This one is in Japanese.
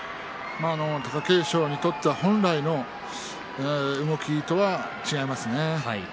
貴景勝にとっては本来の動きとは違いますね。